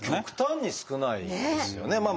極端に少ないですよね。